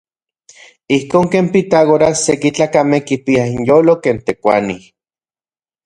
Ijkon ken Pitágoras seki tlakamej kipiaj inyolo ken tekuanij.